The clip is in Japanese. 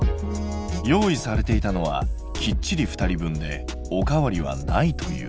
用意されていたのはきっちり２人分でおかわりはないという。